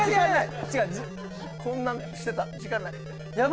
こんなんしてたら時間ない。